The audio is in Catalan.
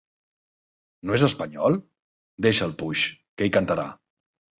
No és espanyol? Deixa'l puix, que ell cantarà.